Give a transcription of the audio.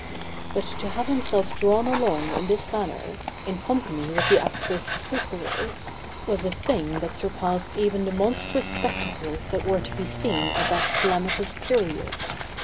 But to have himself drawn along in this manner, in company with the actress Cytheris, was a thing that surpassed even the monstrous spectacles that were to be seen at that calamitous period.